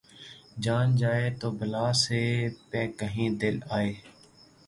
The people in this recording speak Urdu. جان جائے تو بلا سے‘ پہ کہیں دل آئے